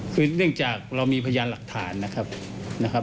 คือเนื่องจากเรามีพญานหลักฐานนะครับ